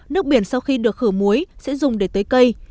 nước biển sau khi được khử muối sẽ dùng để tưới cây